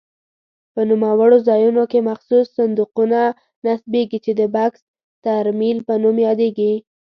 په نوموړو ځایونو کې مخصوص صندوقونه نصبېږي چې د بکس ترمینل په نوم یادیږي.